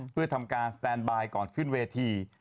เพื่อทำการสแตนบายก่อนขึ้นเวที